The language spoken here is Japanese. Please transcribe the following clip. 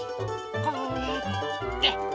こうやって。